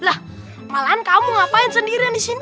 lah malahan kamu ngapain sendirian disini